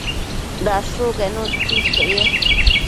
dashucquenu itsisquio ye